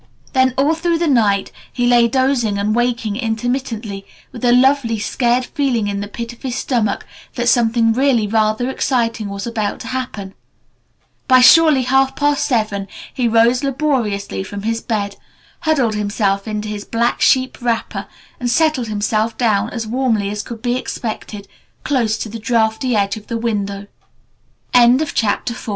Then all through the night he lay dozing and waking intermittently, with a lovely, scared feeling in the pit of his stomach that something really rather exciting was about to happen. By surely half past seven he rose laboriously from his bed, huddled himself into his black sheep wrapper and settled himself down as warmly as cou